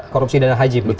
korupsi dan hajib